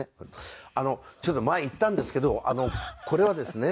あのちょっと前言ったんですけどあのこれはですねっていう。